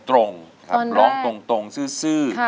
ร้องตรงซื่อ